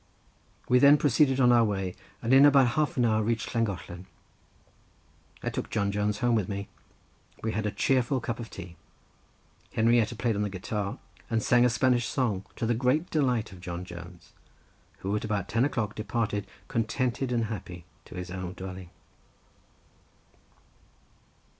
We then proceeded on our way, and in about half an hour reached Llangollen. I took John Jones home with me. We had a cheerful cup of tea. Henrietta played on the guitar, and sang a Spanish song, to the great delight of John Jones, who at about ten o'clock departed contented and happy to his own dwelling.